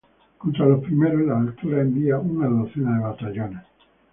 Contra los primeros, en las alturas, envía una docena de batallones.